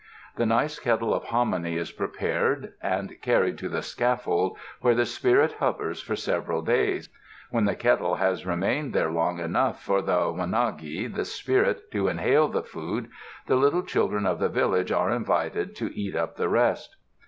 The nice kettle of hominy is prepared, and carried to the scaffold where the spirit hovers for several days. When the kettle has remained there long enough for the wanagi, the spirit, to inhale the food, the little children of the village are invited to eat up the rest.